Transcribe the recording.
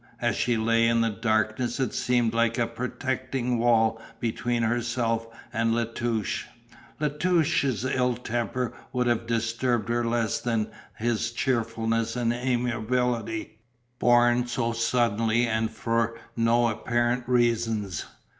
As she lay in the darkness it seemed like a protecting wall between herself and La Touche. La Touche's ill temper would have disturbed her less than his cheerfulness and amiability, born so suddenly and from no apparent reasons.